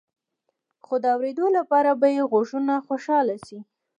خو د اوریدلو لپاره به يې غوږونه خوشحاله شي.